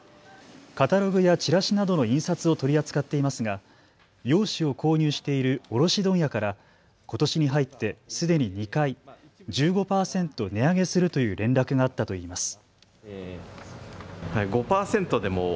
カタログやチラシなどの印刷を取り扱っていますが用紙を購入している卸問屋からことしに入ってすでに２回、１５％値上げするという連絡があったといいます。